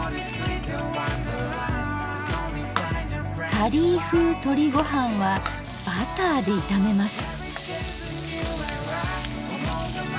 パリーふうとりごはんはバターで炒めます。